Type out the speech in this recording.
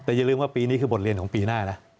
แต่อย่าลืมว่าปีนี้คือบทเรียนของปีหน้านะ